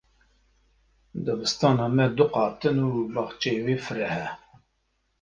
Dibistana me du qat in û baxçeyê wê fireh e.